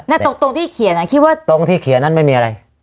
ตรงตรงที่เขียนอ่ะคิดว่าตรงที่เขียนนั้นไม่มีอะไร